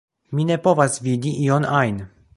Mi ne povas vidi ion ajn